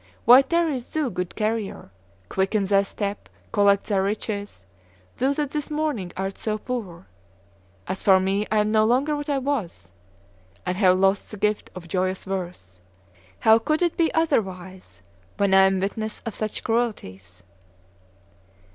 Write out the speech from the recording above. Why tarriest thou, good carrier? Quicken thy step; collect thy riches, thou that this morning art so poor. As for me I am no longer what I was, and have lost the gift of joyous verse. How could it be other wise when I am witness of such cruelties?"